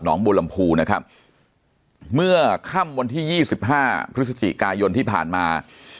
หนอมบลหลำภูนะครับเมื่อค่ำวันที่๒๕พฤศจิกายนที่ผ่านมา